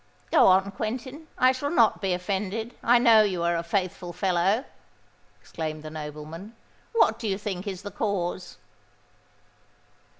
"Go on, Quentin: I shall not be offended. I know you are a faithful fellow," exclaimed the nobleman. "What do you think is the cause?"